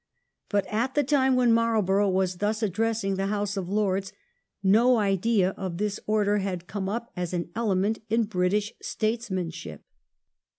But at the time when Marlborough was thus addressing the House of Lords no idea of this order had come up as an element in British statesmanship.